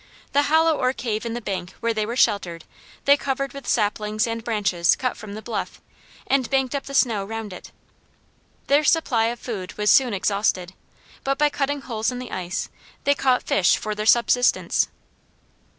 The hollow or cave in the bank where they were sheltered they covered with saplings and branches cut from the bluff, and banked up the snow round it. Their supply of food was soon exhausted, but by cutting holes in the ice they caught fish for their subsistence.